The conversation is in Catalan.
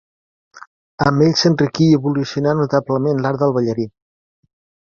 Amb ell s'enriquí i evolucionà notablement l'art del ballarí.